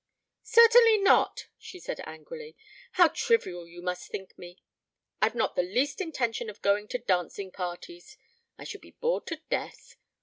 "Certainly not," she said angrily. "How trivial you must think me. I've not the least intention of going to dancing parties. I should be bored to death.